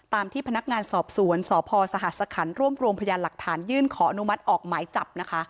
ที่พนักงานสอบสวนสพสหัสคันรวบรวมพยานหลักฐานยื่นขออนุมัติออกหมายจับนะคะ